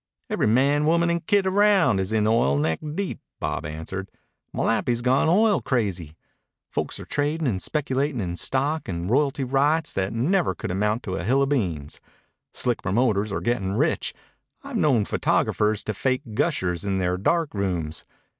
"Every man, woman, and kid around is in oil neck deep," Bob answered. "Malapi's gone oil crazy. Folks are tradin' and speculatin' in stock and royalty rights that never could amount to a hill o' beans. Slick promoters are gettin' rich. I've known photographers to fake gushers in their dark rooms.